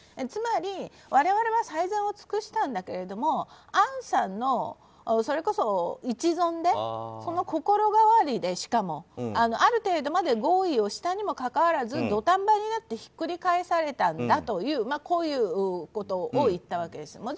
つまり、我々は最善を尽くしたんだけれどもアンさんの一存でその心変わりでしかも、ある程度まで合意したにもかかわらず土壇場になってひっくり返されたんだということを言ったわけです。